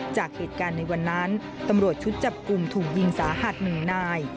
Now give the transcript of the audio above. จากเหตุการณ์ในวันนั้นตำรวจชุดจับกลุ่มถูกยิงสาหัสหนึ่งนาย